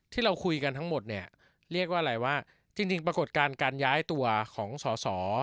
ที่เราคุยกันทั้งหมดเนี่ยเรียกว่าอะไรว่าจริงปรากฏการณ์การย้ายตัวของสอสอ